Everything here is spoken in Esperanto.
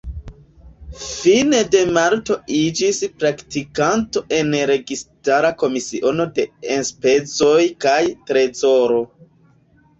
Fine de marto iĝis praktikanto en Registara Komisiono de Enspezoj kaj Trezoro.